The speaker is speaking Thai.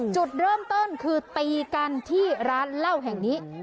จุดเริ่มต้นคือตีกันที่ร้านเหล้าแห่งนี้